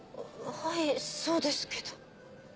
はいそうですけど。